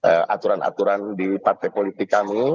kita punya aturan aturan dika rwave politik kami